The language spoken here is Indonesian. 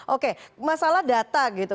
oke masalah data gitu